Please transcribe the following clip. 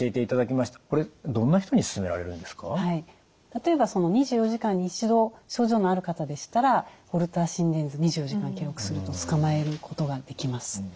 例えば２４時間に１度症状のある方でしたらホルター心電図２４時間記録するとつかまえることができます。